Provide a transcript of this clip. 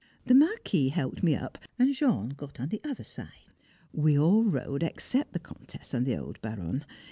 The Marquis helped me up, and Jean got on the other side; we all rode except the Comtesse and the old Baron.